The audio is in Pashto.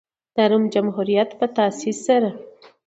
د روم جمهوریت په تاسیس سره.